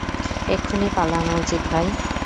এক্ষুনি পালানো উচিৎ, ভাই।